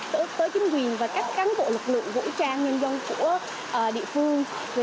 tới chính quyền và các cán bộ lực lượng vũ trang nhân dân của địa phương